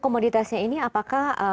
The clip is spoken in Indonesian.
komoditasnya ini apakah